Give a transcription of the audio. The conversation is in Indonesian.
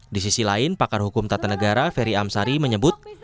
di sisi lain pakar hukum tata negara ferry amsari menyebut